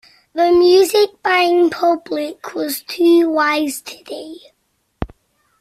The music buying public is too wise today.